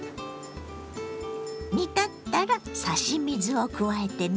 煮立ったら差し水を加えてね。